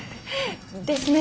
ですね。